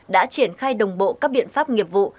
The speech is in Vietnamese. đã triển khai đồng bộ các biện pháp nghiệp vụ